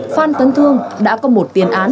phan tấn thương đã có một tiền án